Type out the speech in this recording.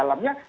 kel kentang too